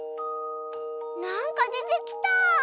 なんかでてきた！